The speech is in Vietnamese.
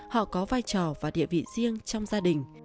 họ có vai trò và địa vị riêng trong gia đình